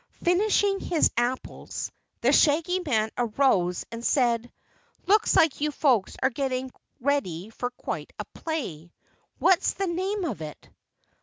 Finishing his apples, the Shaggy Man arose and said, "Looks like you folks are getting ready for quite a play. What's the name of it?"